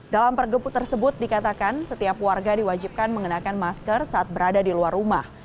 dalam pergub tersebut dikatakan setiap warga diwajibkan mengenakan masker saat berada di luar rumah